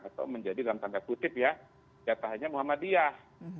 atau menjadi dalam tanda kutip ya jatahnya muhammadiyah